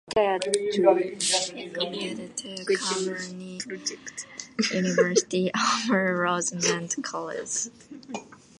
He committed to Cabrini University over Rosemont College.